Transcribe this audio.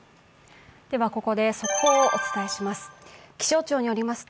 ここで速報をお伝えします。